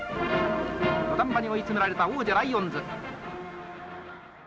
土壇場に追い詰められた王者ライオンズ。